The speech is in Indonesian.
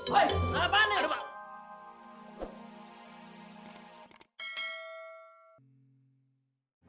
woy kenapa nih